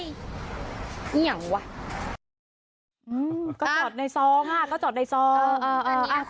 หน้าเลยเนี้ยวะก็จอดในซองฮะก็จอดในซองเออเออเออ